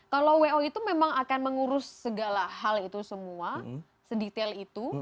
kalau wo itu memang akan mengurus segala hal itu semua sedetail itu